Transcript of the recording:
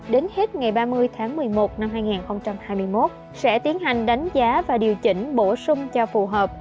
đến hết ngày ba mươi tháng một mươi một năm hai nghìn hai mươi một sẽ tiến hành đánh giá và điều chỉnh bổ sung cho phù hợp